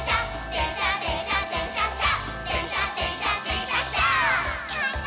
「でんしゃでんしゃでんしゃっしゃ」